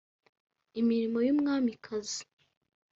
imirimo y’umwamikazi